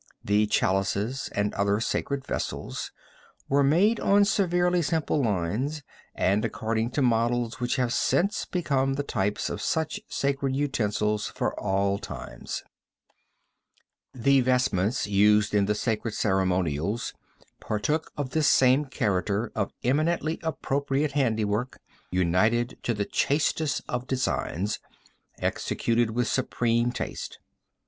The chalices and other sacred vessels were made on severely simple lines and according to models which have since become the types of such sacred utensils for all times. The vestments used in the sacred ceremonials partook of this same character of eminently appropriate handiwork united to the chastest of designs, executed with supreme taste.